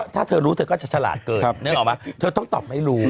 ถ้าเธอรู้เธอก็จะฉลาดเกินนึกออกไหมเธอต้องตอบไม่รู้